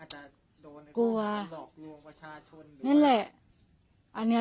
อาจจะโดนหลอกลวงประชาชนหรืออะไรนะครับกลัวนั่นแหละ